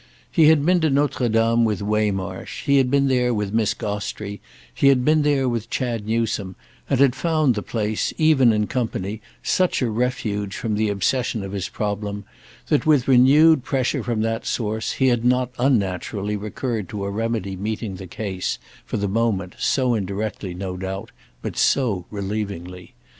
He had been to Notre Dame with Waymarsh, he had been there with Miss Gostrey, he had been there with Chad Newsome, and had found the place, even in company, such a refuge from the obsession of his problem that, with renewed pressure from that source, he had not unnaturally recurred to a remedy meeting the case, for the moment, so indirectly, no doubt, but so relievingly.